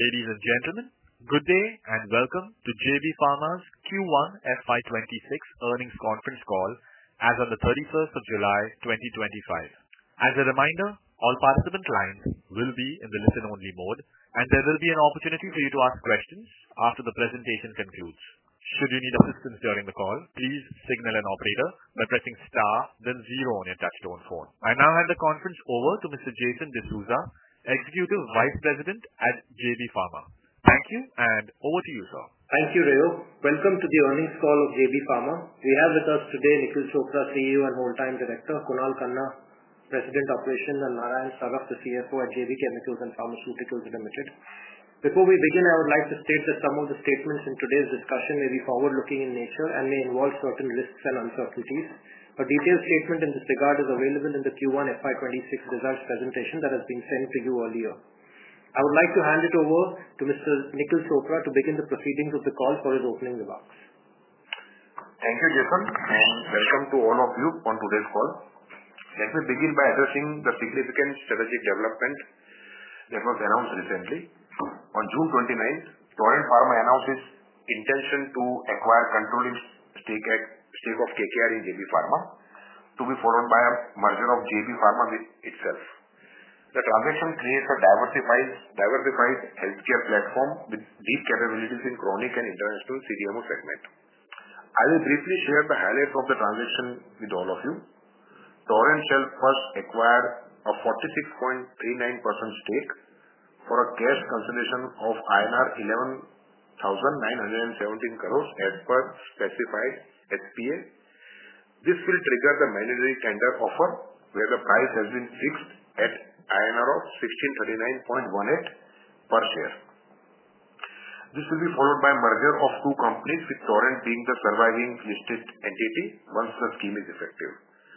Ladies and Gentlemen, good day and welcome to JB Pharma's Q1FY26 earnings conference call as on 31 July 2025. As a reminder, all participant lines will be in the listen only mode and there will be an opportunity for you to ask questions after the presentation concludes. Should you need assistance during the call, please signal an operator by pressing Star then zero on your touch tone phone. I now hand the conference over to Mr. Jason D’Souza, Executive Vice President at JB Pharma. Thank you. Over to you sir. Thank you. Rayo. Welcome to the earnings call of JB Pharma. We have with us today Nikhil Chopra, CEO and Whole-time Director, Kunal Khanna, President of Operations, and Narayan Saraf, the CFO at JB Chemicals & Pharmaceuticals Limited. Before we begin, I would like to state that some of the statements in today's discussion may be forward-looking in nature and may involve certain risks and uncertainties. A detailed statement in this regard is available in the Q1 FY2026 results presentation that has been sent to you earlier. I would like to hand it over to Mr. Nikhil Chopra to begin the proceedings of the call for his opening remarks. Thank you, Jason, and welcome to all of you on today's call. Let me begin by addressing the significant strategic development that was announced recently. On June 29, Torrent Pharma announced its intention to acquire control in the stake of KKR in JB Pharma. This will be followed by a merger of JB Pharma with itself. The transaction creates a diversified healthcare platform with deep capabilities in chronic and international CDMO segment. I will briefly share the highlights of the transaction with all of you. Torrent first acquired a 46.39% stake for a cash consideration of 11,917 crore as per specified SPA. This will trigger the mandatory tender offer where the price has been fixed at 1,639.18 INR per share. This will be followed by the merger of the two companies with Torrent being the surviving listed entity. Once the scheme is effective,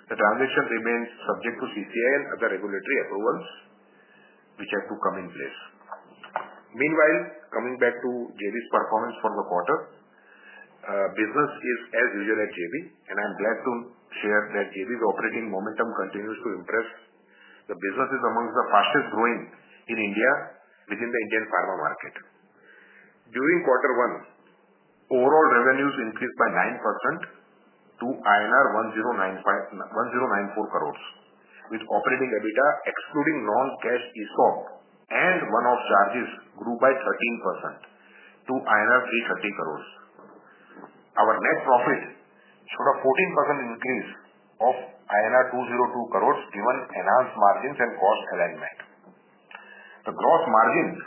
the transaction remains subject to CCI and other regulatory approvals which have to come in place. Meanwhile, coming back to JB's performance for the quarter, business is as usual at JB and I'm glad to share that JB's operating momentum continues to impress. The business is amongst the fastest growing in India within the Indian pharma market. During quarter one, overall revenues increased by 9% to INR 1,094 crore with operating EBITDA excluding non-cash ESOP and one-off charges grew by 13% to 330 crore. Our net profit showed a 14% increase to INR 202 crore. Given enhanced margins and cost alignment, the gross margins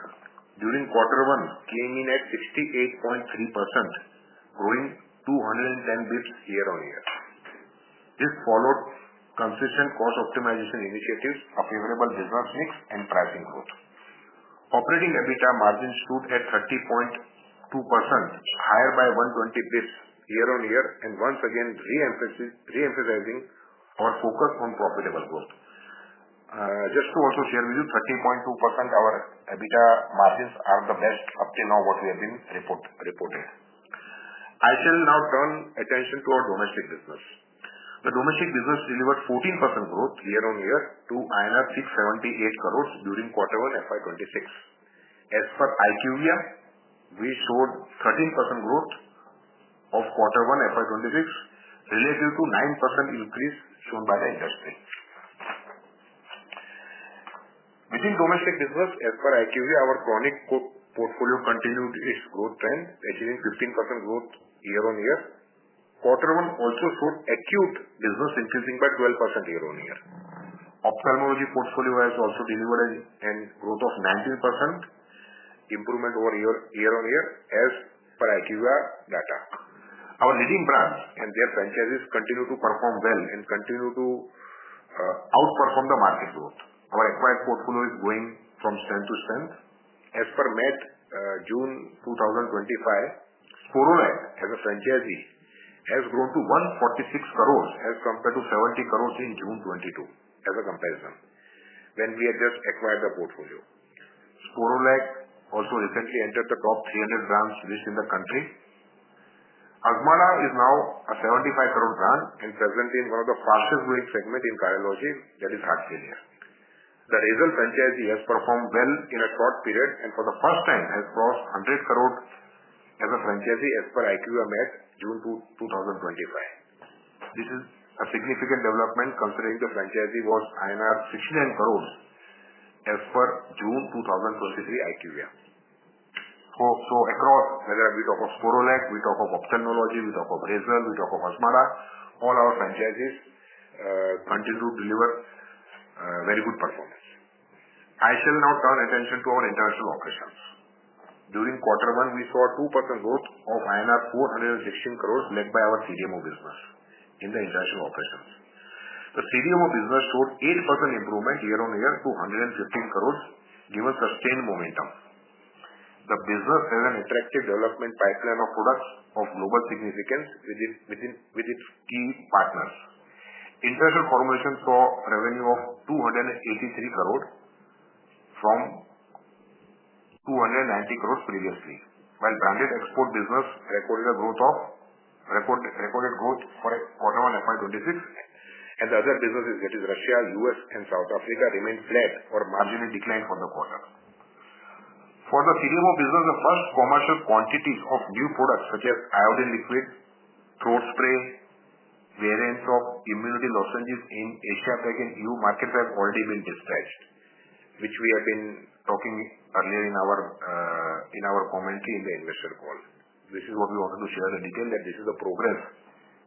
during quarter one came in at 68.3%, growing 210 bps year on year. This followed consistent cost optimization initiatives, a favorable business mix, and pricing growth. Operating EBITDA margin stood at 30.2%, higher by 120 basis points year on year and once again re-emphasizing our focus on profitable growth. Just to also share with you, 30.2%—our EBITDA margins are the best up till now that we have reported. I shall now turn attention to our domestic business. The domestic business delivered 14% growth year on year to INR 678 crore during quarter one FY2026. As per IQVIA, we showed 13% growth for quarter one FY2026 relative to 9% increase shown by the industry. Within domestic business, as per IQVIA, our chronic portfolio continued its growth trend, achieving 15% growth year on year. Quarter one also showed acute business increasing by 12% year on year. The ophthalmology portfolio has also delivered a growth of 19% improvement year on year as per IQVIA data. Our leading brands and their franchises continue to perform well and continue to outperform the market growth. Our acquired portfolio is growing from strength to strength. As per MAT June 2025, Sporlac as a franchise has grown to 146 crore as compared to 70 crore in June 2022. As a comparison, when we had just acquired the portfolio, Sporlac also recently entered the top 300 brands list in the country. Azmarda is now a 75 crore brand and present in one of the fastest growing segments in cardiology, that is heart failure. The Razel franchise has performed well in a short period and for the first time has crossed 100 crore as a franchise as per IQVIA at June 2025. This is a significant development considering the franchise was INR 69 crore as per June 2023 IQVIA. Across whether we talk of Sporlac, we talk of ophthalmology, we talk of Razel, we talk of Azmarda, all our franchises continue to deliver very good performance. I shall now turn attention to our international operations. During quarter one, we saw 2% growth to INR 416 crore led by our CDMO business. In the international operations, the CDMO business showed 8% improvement year on year to 115 crore. Given sustained momentum, the business has an attractive development pipeline of products of global significance with its key partners. International Formulations saw revenue of 283 crore from 290 crore previously, while branded export business recorded growth for a quarter in FY 2026, and the other businesses, i.e. Russia, U.S., and South Africa, remained flat or marginally declined for the quarter. For the CDMO business, the first commercial quantities of new products such as iodine, liquid throat-spray, variants of immunity, lozenges in Asia Pac and EU markets have already been dispatched, which we have been talking about earlier in our commentary in the investor call. This is what we wanted to share, the detail that this is the progress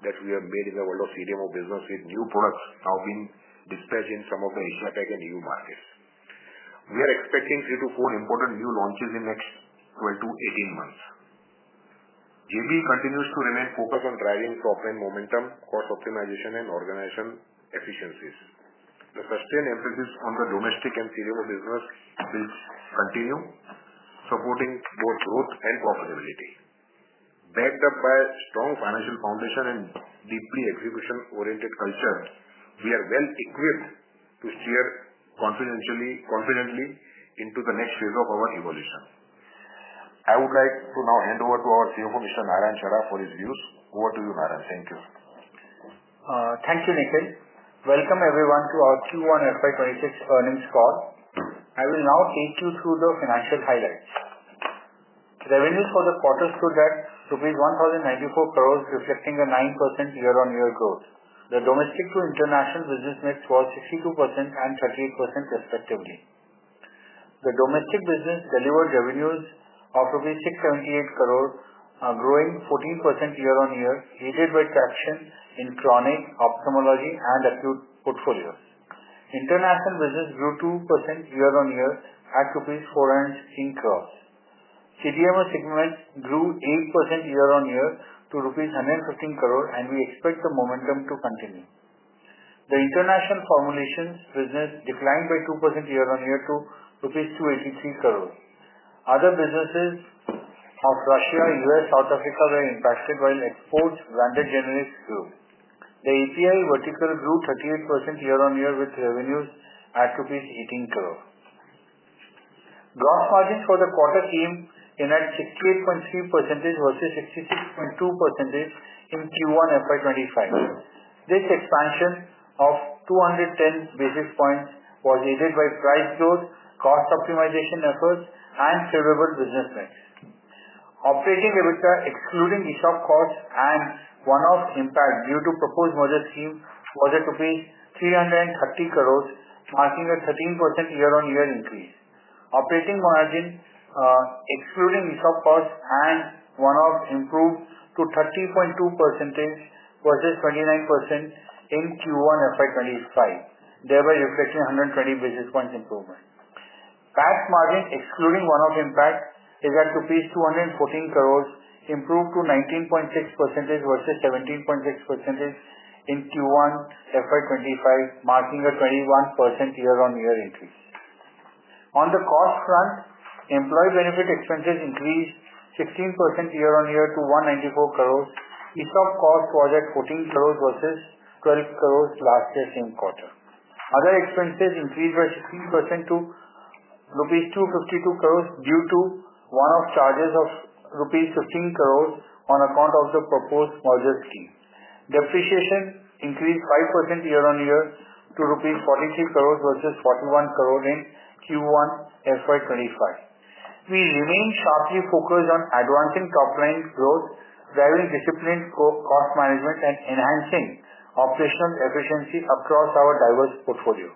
that we have made in the world of CDMO business. With new products now being dispatched in some of the Asia Pac and EU markets, we are expecting three to four important new launches in the next 12 to 18 months. JB continues to remain focused on driving top-line momentum, cost optimization, and organization efficiencies. The sustained emphasis on the domestic and CDMO business will continue supporting both growth and profitability, backed up by strong financial foundation and deeply execution-oriented culture. We are well equipped to steer confidently into the next phase of our evolution. I would like to now hand over to our CFO Mr. Narayan Saraf for his views. Over to you Narayan. Thank you, thank you Nikhil. Welcome everyone to our Q1 FY26 earnings call. I will now take you through the financial highlights. Revenues for the quarter stood at 1,094 crore rupees, reflecting a 9% year-on-year growth. The domestic to international business mix was 62% and 38% respectively. The domestic business delivered revenues of rupees 678 crore, growing 14% year-on-year. Heated by traction in chronic, ophthalmology, and acute portfolios, international business grew 2% year-on-year at rupees 416 crore. CDMO segment grew 8% year-on-year to rupees 115 crore, and we expect the momentum to continue. The international formulations business declined by 2% year-on-year to 283 crore. Other businesses of Russia, U.S., South Africa were impacted while exporting branded generics grew. The API vertical grew 38% year-on-year with revenues at rupees 18 crore. Gross margins for the quarter came in at 68.3% versus 66.2% in Q1 FY25. This expansion of 210 basis points was aided by price growth, cost optimization efforts, and favorable business mix. Operating EBITDA excluding ESOP cost and one-off impact due to proposed merger scheme was at INR 330 crore, marking a 13% year-on-year increase. Operating margin excluding ESOP costs and one-off improved to 30.2% versus 29% in Q1 FY25, thereby reflecting 120 basis points improvement. Batch margin excluding one-off impact is at rupees 214 crore, improved to 19.6% versus 17.6% in Q1 FY25, marking a 21% year-on-year increase. On the cost front, employee benefit expenses increased 16% year-on-year to 194 crore. ESOP cost was at 14 crore versus 12 crore last year, same quarter. Other expenses increased by 16% to rupees 252 crore due to one-off charges of rupees 15 crore on account of the proposed merger scheme. Depreciation increased 5% year-on-year to rupees 43 crore versus 41 crore in Q1 FY25. We remain sharply focused on advancing top-line growth, driving disciplined cost management, and enhancing operational efficiency across our diverse portfolio.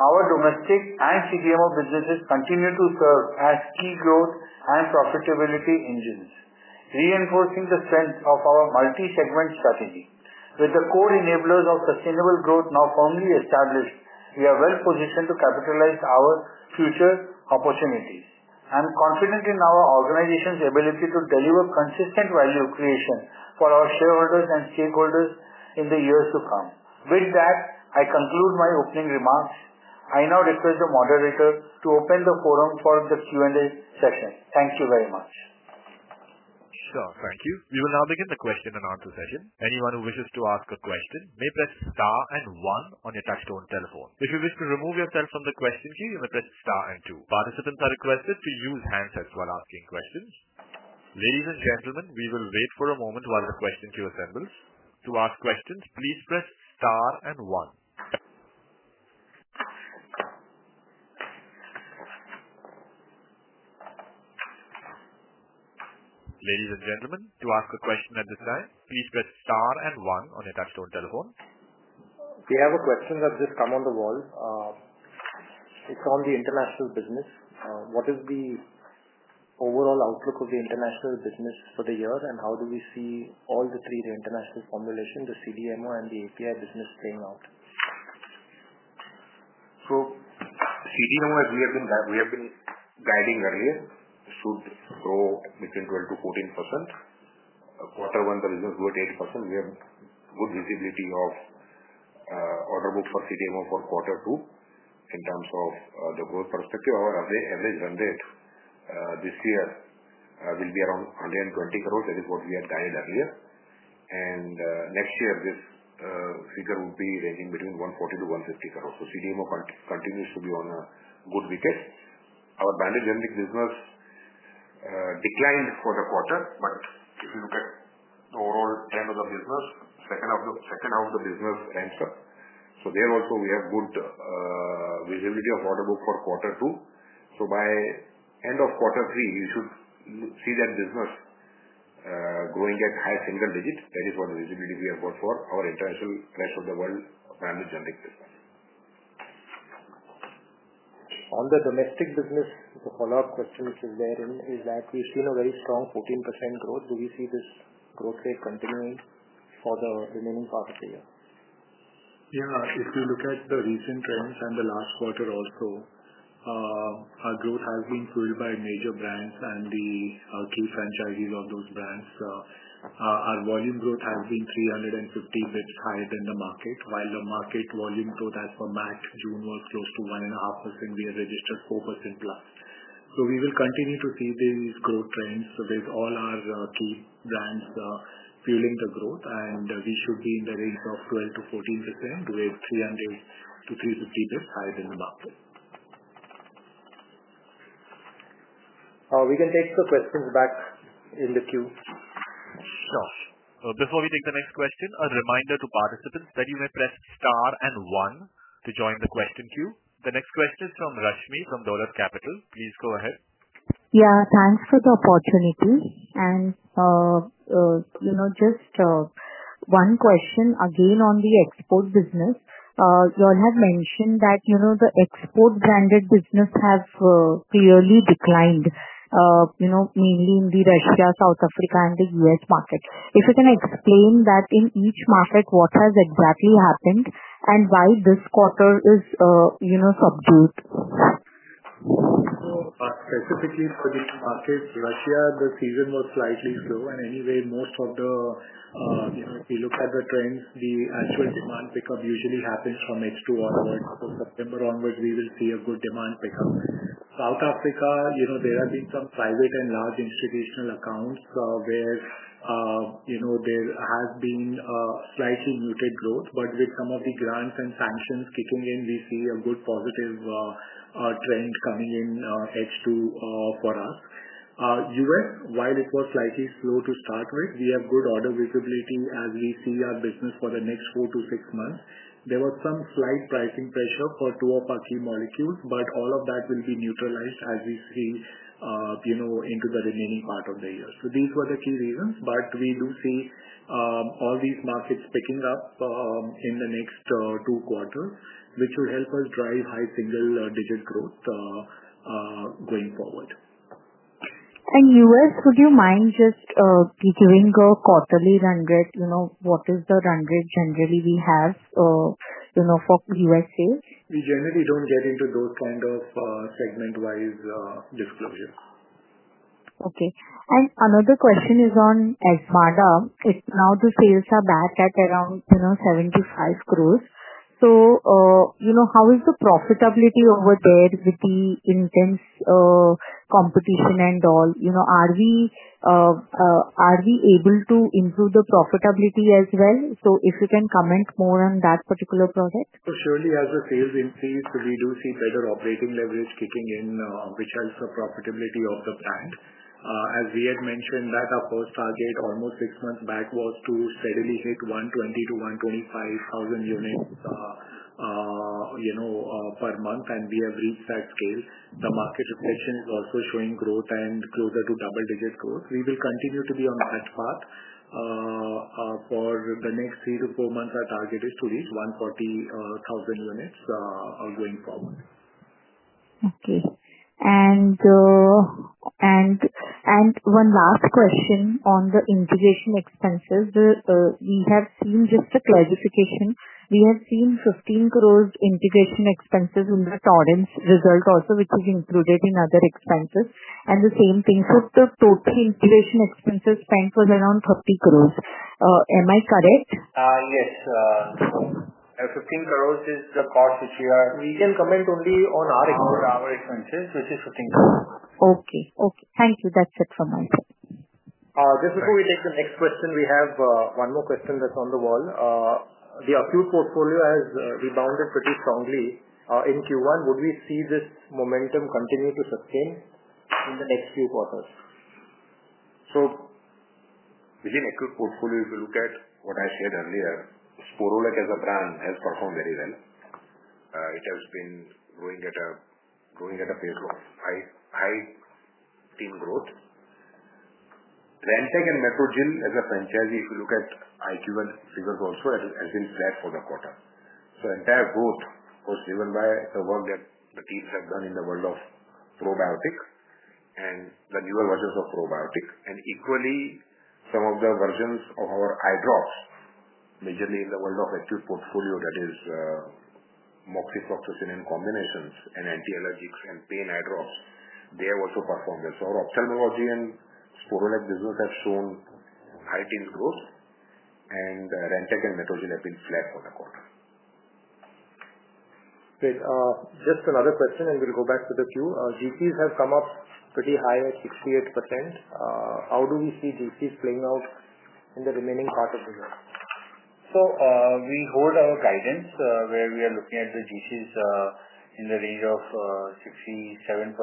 Our domestic and CDMO businesses continue to serve as key growth and profitability engines, reinforcing the strength of our multi-segment strategy. With the core enablers of sustainable growth now firmly established, we are well positioned to capitalize on our future opportunities. I am confident in our organization's ability to deliver consistent value creation for our shareholders and stakeholders in the years to come. With that, I conclude my opening remarks. I now request the moderator to open the forum for the Q&A session. Thank you very much. Sure. Thank you. We will now begin the question and answer session. Anyone who wishes to ask a question may press star and 1 on your touchstone telephone. If you wish to remove yourself from the question queue, you may press star and 2. Participants are requested to use handsets while asking questions. Ladies and gentlemen, we will wait for a moment while the question queue assembles. To ask questions, please press star and 1. Ladies and gentlemen, to ask a question at this time, please press star and 1 on your touchstone telephone. A question that's just come on the wall. It's on the international business. What is the overall outlook of the international business for the year, and how do we see all the three, the international formulation, the CDMO, and the API business playing out? CDMO, as we have been guiding earlier, should grow between 12%-14%. Quarter one, the results were at 8%. We have good visibility of order book for CDMO for quarter two. In terms of the growth perspective, our average run rate this year will be around INR 120 crore. That is what we had guided earlier. Next year, this figure would be ranging between 140 crore-150 crore. CDMO continues to be on a good weekend. Our branded generic business declined for the quarter. If you look at the overall trend of the business, second half the business ramps up. There also, we have good visibility of order book for quarter two. By end of quarter three, you should see that business growing at high single digit. That is what the visibility we have got for our international rest of the world family generic business. On the domestic business, the follow-up question which is therein is that we've seen a very strong 14% growth. Do we see this growth rate continuing for the remaining part of the year? Yeah, if you look at the recent trends and the last quarter also, our growth has been fueled by major brands and the key franchisees of those brands. Our volume growth has been 350 bps higher than the market. While the market volume growth as per MAC June was close to 1.5%, we had registered 4% plus. We will continue to see these growth trends with all our key brands fueling the growth. We should be in the range of 12-14% with 300 to 350 bps higher than the market. We can take the questions back in the queue. Sure. Before we take the next question, a reminder to participants that you may press Star and one to join the question queue. The next question is from Rashmmi from Dolas Capital. Please go ahead. Thank you for the opportunity. Just one question again on the export business. You have mentioned that the export branded business has clearly declined, mainly in the Russia, South Africa, and the U.S. market. If you can explain that in each market, what has exactly happened and why this quarter is. Specifically for these markets. Russia, the season was slightly slow, and anyway most of the, if you look at the trends, the actual demand pickup usually happens from H2 onwards. September onwards, we will see a good demand pickup. South Africa, there have been some private and large institutional accounts where there has been slightly muted growth. With some of the grants kicking in, we see a good positive trend coming in H2 for us. While it was slightly slow to start with, we have good order visibility as we see our business for the next four to six months. There was some slight pricing pressure for two of our key molecules. All of that will be neutralized as we see into the remaining part of the year. These were the key reasons. We do see all these markets picking up in the next two quarters, which will help us drive high single digit growth going forward. Would you mind just giving a quarterly run rate? You know what is the run rate generally we have, you know, for U.S. We generally don't get into those kind of segment-wise disclosures. Okay. Another question is on Azmarda. Now the sales are back at around 75 crore. You know, how is the profitability over there? With the intense competition and all, are we able to improve the profitability as well? If you can comment more on that. That particular project, surely as the sales. Increase, we do see better operating leverage kicking in, which helps the profitability of the plant. As we had mentioned, our first target almost six months back was to steadily hit 120,000-125,000 units per month, and we have reached that scale. The market reflection is also showing growth and closer to double-digit growth. We will continue to be on that path for the next three to four months. Our target is to reach 140,000 units going forward. Okay. One last question on the integration expenses we have seen. Just a clarification. We have seen 15 crore integration expenses in the Torrent result also, which is included in other expenses, and the same thing. The total integration expenses spent was around 30 crore, am I correct? Yes, 15 crore is the cost which we are. We can comment only on our expenses. Which is 15 crore. Okay, thank you. That's it for my part, just before we take. The next question, we have one more question that's on the wall. The acute portfolio has rebounded pretty strongly in Q1. Would we see this momentum continue to sustain in the next few quarters? Within the Equip portfolio, if you look at what I shared earlier, Sporlac as a brand has performed very well. It has been growing at a pace of high teen growth. Land Tech and Metrogyl as a franchise, if you look at IQVIA figures, also has been flat for the quarter. The entire growth was driven by the work that the teams have done in the quarter in the world of Probiotic and the newer versions of Probiotic and equally some of the versions of our eye drops. Majorly in the world of active portfolio, i.e., moxifloxacin in combinations and anti-allergics and pain eye drops, they have also performed well. Our ophthalmology and Sporlac business have shown high teens growth, and Rantac and Metrogyl have been flat for the quarter. Great. Just another question and we'll go back to the queue. Gross margins have come up pretty high at 68%. How do we see gross margins playing out in the remaining part of the year? We hold our guidance where we are looking at the GCS in the range of 67%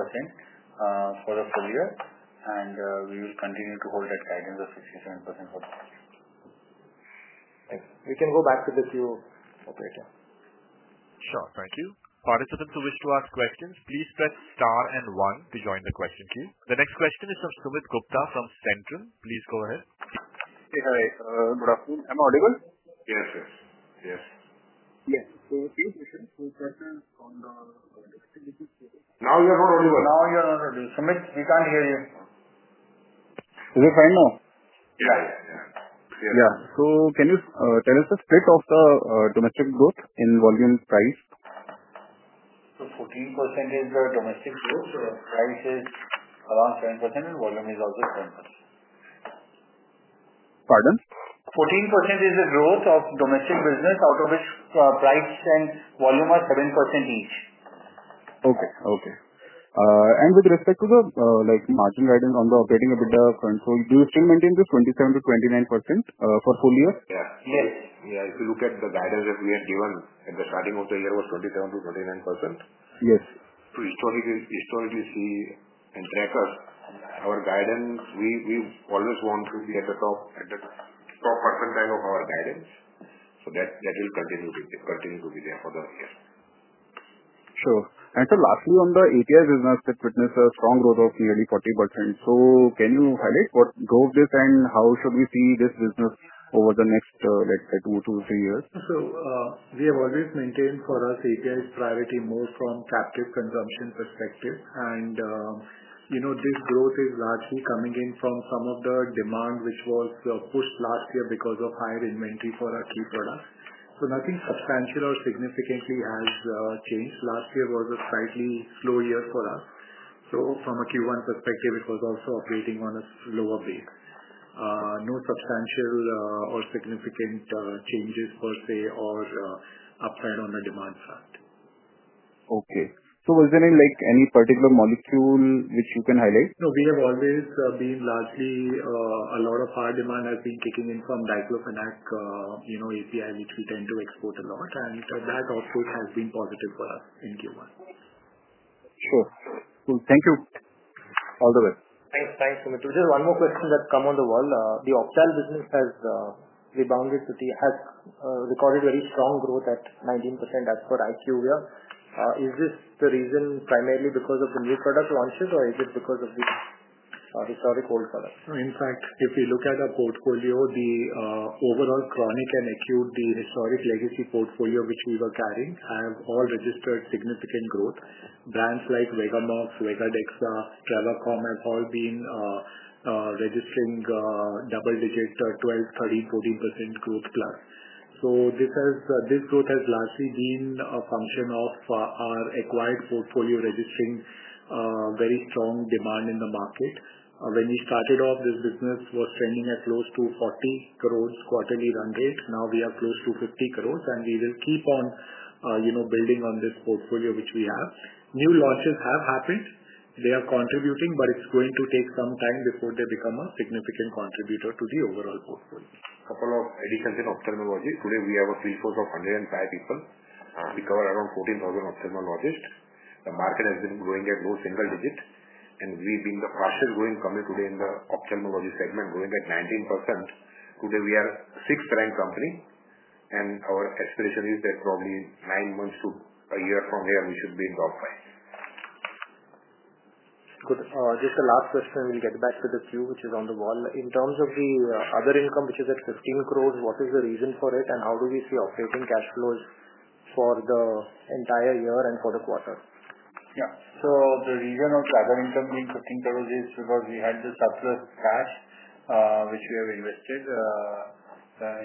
for the full year. We will continue to hold that guidance of 67%. Can we go back to this view, operator? Sure. Thank you. Participants who wish to ask questions, please press star and one to join the question queue. The next question is from Sumit Gupta from Centrum. Please go ahead. Hi, good afternoon. Am I audible? Yes, yes. Now you're not audible. Now you're not audible. Sumit, we can't hear you. Is it fine now? Yeah, yeah. Can you tell us the split of the domestic growth in volume price? Domestic growth is 14%. Price is around 7% and volume is also 10%. Pardon? 14% is the growth of domestic business, out of which price and volume are 7% each. Okay. With respect to the margin guidance on the operating EBITDA front, do you still maintain this 27% to 29% for full year? Yeah. Yes. Yeah, if you look at the guidance that we had given at the starting of the year, it was 27% to 29%. Yes. Historically, to see and track us, our guidance, we always want to be at the top percentile of our guidance. That will continue to be there for the year. Sure. Lastly, on the API business, it witnessed a strong growth of nearly 40%. Can you highlight what drove this and how should we see this business over the next, let's say, two to three years? We have always maintained for us API's priority more from captive consumption perspective. This growth is largely coming in from some of the demand which was pushed last year because of higher inventory for our key products. Nothing substantial or significantly has changed. Last year was a slightly slow year for us. From a Q1 perspective, it was also operating on a slower base. No substantial or significant changes per se or upside on the demand front. Okay. Was there like any particular molecule which you can highlight? No, we have always been largely, a lot of hard demand has been kicking in from diclofenac API, which we tend to export a lot, and that output has been positive for us in Q1. Sure. Thank you all the way. Thanks. Thanks. Just one more question that's come on the wall. The ophthalmology business has rebounded. Has recorded very strong growth at 19% as per IQ here. Is this the reason primarily because of the new product launches or is it because of the historic old color? In fact, if we look at our portfolio, the overall chronic and acute, the historic legacy portfolio which we were carrying have all registered significant growth. Brands like Vigamox, Vigadexa, Travacom have all been registering double-digit 12%, 13%, 14% growth plus. This growth has largely been a function of our acquired portfolio registering very strong demand in the market. When we started off, this business was trending at close to 40 crore quarterly run rate. Now we are close to 50 crore. We will keep on building on this portfolio which we have. New launches have happened, they are contributing. It's going to take some time before they become a significant contributor to the overall portfolio. Couple of additions in ophthalmology. Today we have a field force of 100. We cover around 14,000 ophthalmologists. The market has been growing at low single digit. We've been the fastest growing company today in the ophthalmology segment, growing at 19%. Today we are sixth ranked company. Our expectation is that probably nine months to a year from here we should be in top five. Good. Just the last question. We'll get back to the queue which is on the wall. In terms of the other income which is at 15 crore, what is the reason for it and how do we see operating cash flows for the entire year and for the quarter? Yeah. The reason of Saga income being 15 crore is because we had the surplus cash which we have invested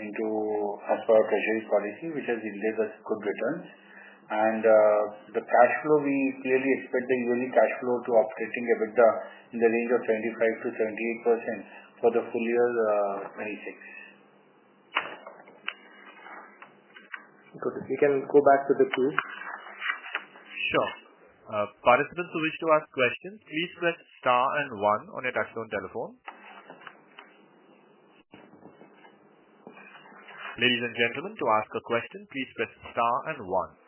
into our treasury policy, which has yielded us good returns. The cash flow, we clearly expect the yearly cash flow to operating EBITDA in the range of 75% to 78% for the full year. 26. We can go back to the queue. Sure. Participants who wish to ask questions, please press star and 1 on your touch-tone telephone. Ladies and gentlemen, to ask a question, please press star and 1.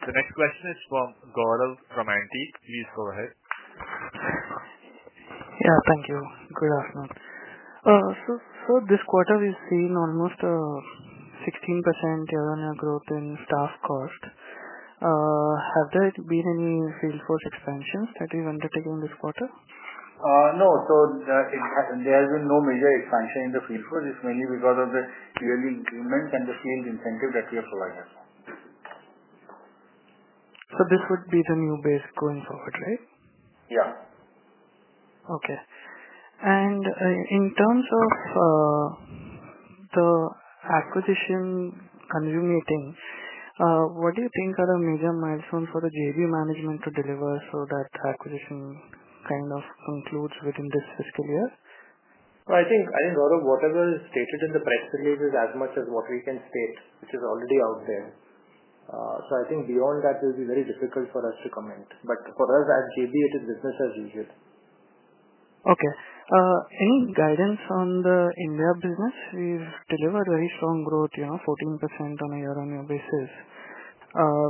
The next question is from Gaurav from Ant. Please go ahead. Thank you. Good afternoon. This quarter we've seen almost 16% year-on-year growth in staff cost. Have there been any salesforce expansions that you've undertaken this quarter? No, there has been no major expansion in the field. It's mainly because of the yearly improvement and the field incentive that we have provided. This would be the new base going forward, right? Yeah. Okay. In terms of the acquisition consummating, what do you think are the major milestones for the JV management to deliver? That acquisition kind of concludes within this fiscal year. I think, Gaurav, whatever is stated in the press release is as much as what we can state, which is already out there. I think beyond that will be very difficult for us to comment. For us as JB, it is business as usual. Okay. Any guidance on the India business? We've delivered very strong growth, 14% on a year-on-year basis.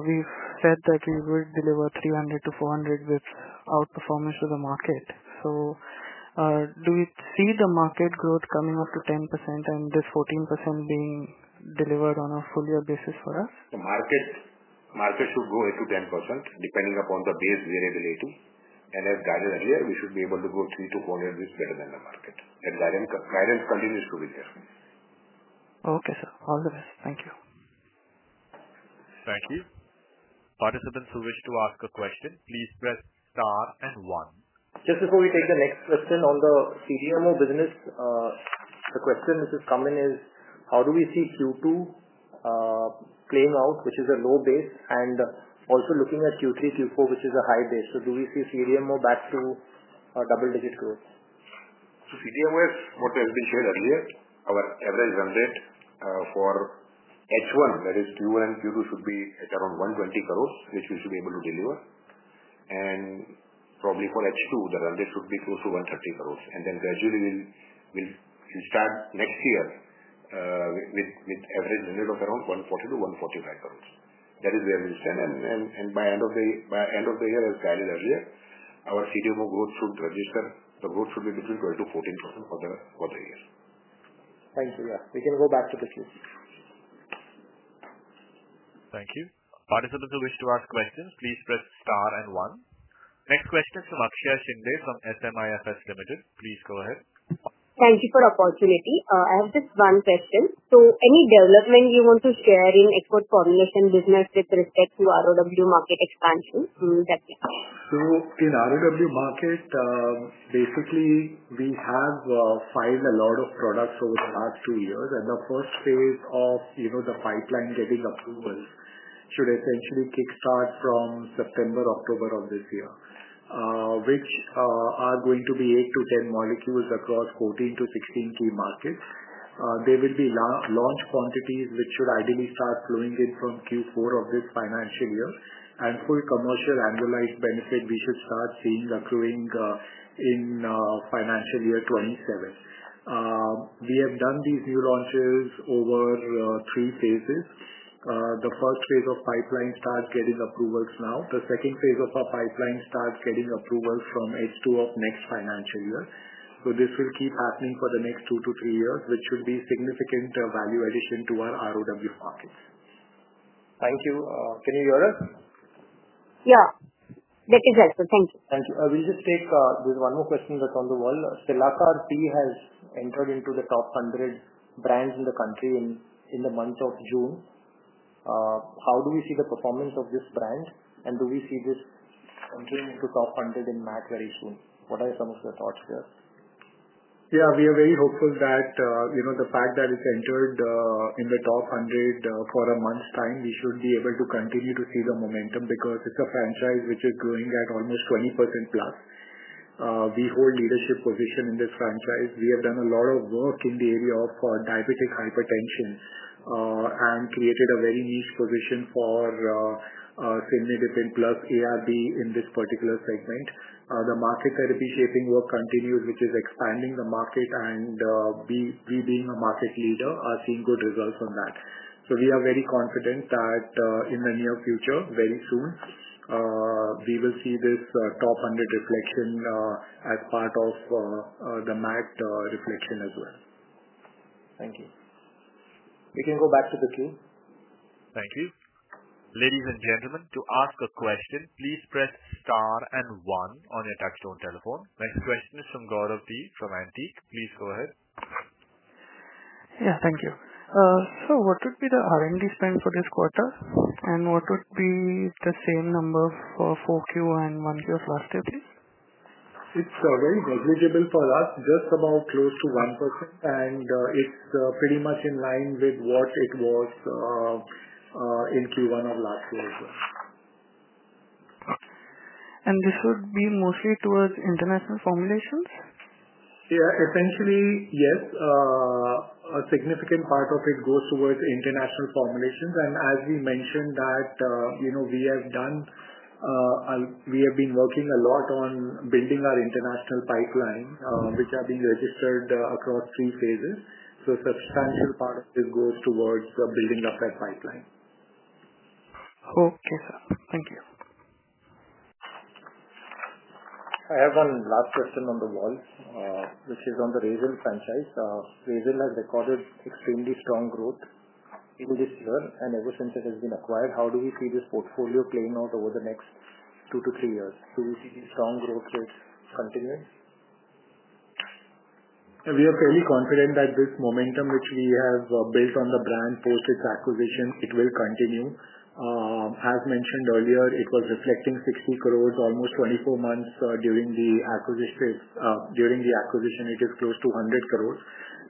We've said that we would deliver 300 to 400 with outperformance to the market. Do we see the market growth coming up to 10% and this 14% being delivered on a full year basis? For us, the market should go 8%-10% depending upon the base variability. As guided earlier, we should be able to go 300 to 400 bps better than the market. Clarice continues to be there. Okay, sir. All the best. Thank you. Thank you. Participants who wish to ask a question, please press star and 1. Just before we take the next question on the CDMO business, the question which has come in is how do we see Q2 playing out, which is a low base, and also looking at Q3, Q4, which is a high base. Do we see CDMO back to double digit growth? CDMO is what has been shared earlier. Our average run rate for H1, that is Q1 and Q2, should be at around 120 crore, which we should be able to deliver. For H2, the run rate should be close to 130 crore. Gradually, we'll start next year with an average limit of around 140 crore-145 crore. That is where we stand. By end of the year, as guided earlier, our CDMO gross from the vote should be between 12,000-14,000 for the year. Thank you. Yeah, we can go back to the queue. Thank you. Participants who wish to ask questions, please press star and 1. Next question is from Akshaya Shinde from SMIFS Limited. Please go ahead. Thank you for the opportunity. I have just one question. Any development you want to share in export formulation business with respect to ROW market expansion? In raw market, basically we have filed a lot of products over the last two years. The first phase of the pipeline getting approvals should essentially kick start from September, October of this year, which are going to be 8-10 molecules across 14-16 key markets. There will be launch quantities, which should ideally start flowing in from Q4 of this financial year. Full commercial annualized benefit we should start seeing accruing in financial year 2027. We have done these new launches over three phases. The first phase of pipeline starts getting approvals now. The second phase of our pipeline starts getting approvals from H2 of next financial year. This will keep happening for the next two to three years, which should be significant value addition to our raw markets. Thank you. Can you hear us? Yeah, that is helpful. Thank you. Thank you. We'll just take one more question that's on the wall. Cilacar Thas entered into the top 100 brands in the country in the month of June. How do we see the performance of this brand and do we see this entry into top 100 in MAT very soon? What are some of your thoughts here? Yeah, we are very hopeful that the fact that it's entered in the top 100 for a month's time, we should be able to continue to see the momentum because it's a franchise which is growing at almost 20% plus we hold leadership position in this franchise. We have done a lot of work in the area of diabetic hypertension and created a very niche position for +ARB in this particular segment. The market therapy shaping work continues, which is expanding the market, and we being a market leader are seeing good results on that. We are very confident that in the near future, very soon we will see this top 100 reflection as part of the MAT reflection as well. Thank you. We can go back to the queue. Thank you. Ladies and gentlemen, to ask a question, please press star and one on your touchstone telephone. Next question is from Gaurav D from Antique, please go ahead. Thank you. What would be the R&D spend for this quarter, and what would be the same number for 4Q and 1Q of last year, please? It's very negligible for us, just about close to 1% and it's pretty much in line with what it was in Q1 of last year as well. This would be mostly towards international formulations, essentially. Yes, a significant part of it goes towards international formulations. As we mentioned, you know, we have been working a lot on building our international pipeline, which are being registered across three phases. A substantial part of this goes towards building up that pipeline. Okay, sir, thank you. I have one last question on the wall which is on the Razel franchise. Razel has recorded extremely strong growth in this year and ever since it has been acquired. How do we see this portfolio playing out over the next two to three years? We see these strong growth rates continuing. We are fairly confident that this momentum which we have built on the brand post its acquisition, it will continue. As mentioned earlier, it was reflecting 60 crores almost 24 months during the acquisition. It is close to 100 crores.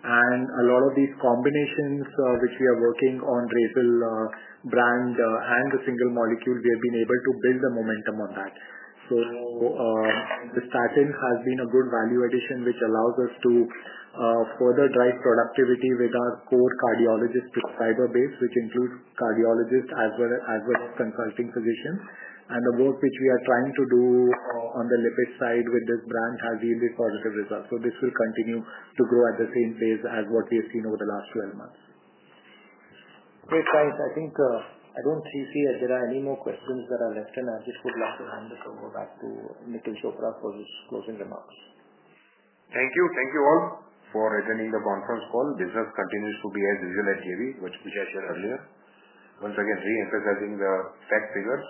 A lot of these combinations which we are working on on Razel brand and the single molecule, we have been able to build the momentum on that. This patent has been a good value addition which allows us to further drive productivity with our core cardiologist fiber base which includes cardiologists as well as consulting physicians. The work which we are trying to do on the lipid side with this brand has yielded positive results. This will continue to grow at the same pace as what we have seen over the last 12 months. Great, thanks. I think I don't see that there are any more questions that are left. I just would like to hand it over back to Nikhil Chopra for his closing remarks. Thank you. Thank you all for attending the conference call. Business continues to be as usual at JB, which I shared earlier. Once again, re-emphasizing the fact. Figures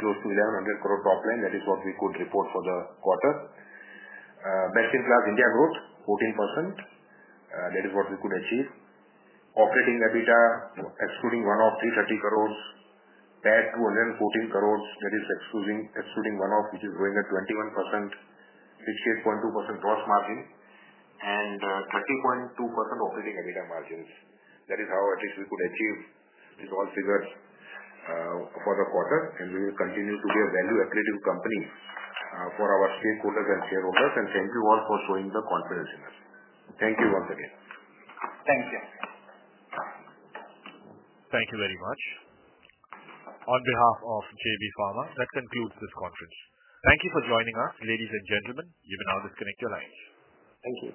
close to 1,100 crore top line. That is what we could report for the quarter. Best in class India growth 14%. That is what we could achieve. Operating EBITDA excluding one-off 330 crore, PAT 214 crore. That is excluding one-off, which is growing at 21%, 68.2% gross margin, and 30.2% operating EBITDA margins. That is how at least we could achieve these all figures for the quarter. We will continue to be a value accretive company for our stakeholders and shareholders. Thank you all for showing the confidence in us. Thank you once again. Thank you. Thank you very much on behalf of JB Pharma. That concludes this conference. Thank you for joining us, ladies and gentlemen. You may now disconnect your lines. Thank you.